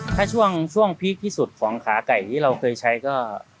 ถ้าช่วงพีคที่สุดของขาไก่ที่เราเคยใช้ก็